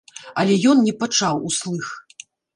Але ён не пачаў услых.